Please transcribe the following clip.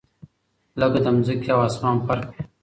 لكه دځمكي او اسمان فرق وي